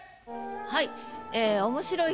はい。